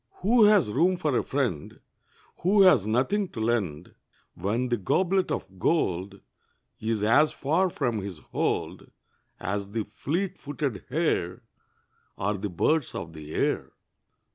Who has room for a friend Who has nothing to lend, When the goblet of gold Is as far from his hold As the fleet footed hare, Or the birds of the air.